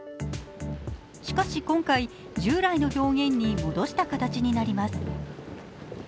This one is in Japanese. しかし、今回、従来の表現に戻した形になります。